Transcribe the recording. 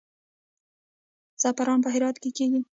زعفران په هرات کې کیږي